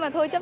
dạ cũng có ạ